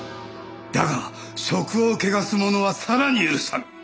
だが職を汚す者は更に許さん。